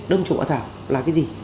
đông trùng hạ thảo là cái gì